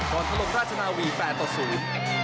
ก่อนทะลกราชนาวีแฟนต่อสูตร